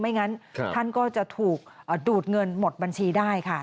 งั้นท่านก็จะถูกดูดเงินหมดบัญชีได้ค่ะ